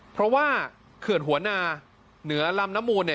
เพราะว่าเขื่อนหัวหนาเหนือลำนมูล